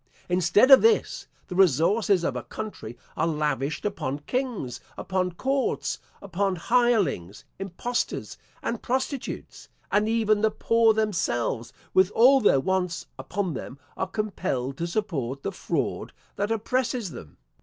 Instead of this, the resources of a country are lavished upon kings, upon courts, upon hirelings, impostors and prostitutes; and even the poor themselves, with all their wants upon them, are compelled to support the fraud that oppresses them.